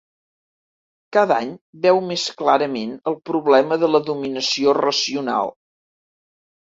Cada any es veu més clarament el problema de la dominació racional.